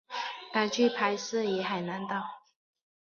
该剧拍摄于海南岛。